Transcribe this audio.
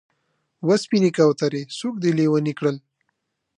و سپینې کوترې! څوک دې لېونی کړل؟